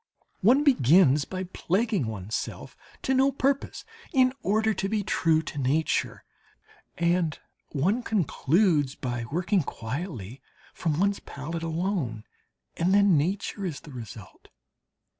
One begins by plaguing one's self to no purpose in order to be true to nature, and one concludes by working quietly from one's palette alone, and then nature is the result.